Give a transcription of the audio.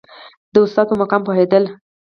د ښوونکي په مقام پوهېدل.